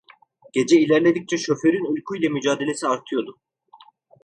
Gece ilerledikçe şoförün uyku ile mücadelesi artıyordu.